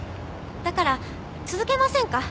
だから続けませんか？